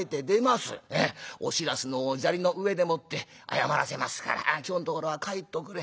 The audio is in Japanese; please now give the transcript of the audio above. お白州の砂利の上でもって謝らせますから今日んところは帰っておくれ。